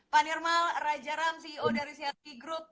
pak nirmal rajaram ceo dari crp group